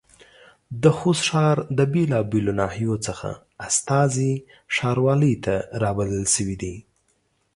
د خوست ښار د بېلابېلو ناحيو څخه استازي ښاروالۍ ته رابلل شوي دي.